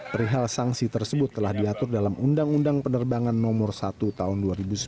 perihal sanksi tersebut telah diatur dalam undang undang penerbangan nomor satu tahun dua ribu sembilan